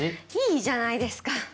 いいじゃないですか。